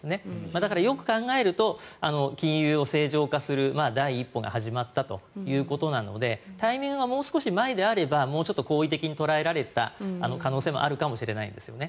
だから、よく考えると金融を正常化する第一歩が始まったということなのでタイミングがもう少し前であればもうちょっと好意的に捉えられた可能性もあるかもしれないんですよね。